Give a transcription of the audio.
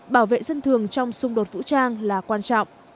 bảo vệ dân thường trong xung đột vũ trang là quan trọng